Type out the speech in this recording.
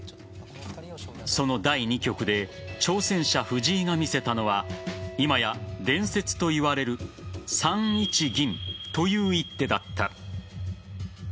その第２局で挑戦者・藤井が見せたのは今や伝説といわれる３一銀という一手だった。